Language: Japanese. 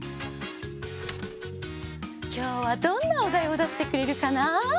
きょうはどんなおだいをだしてくれるかな？